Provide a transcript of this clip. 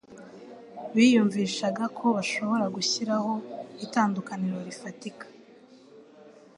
Biyumvishaga ko bashobora gushyiraho itandukaniro rifatika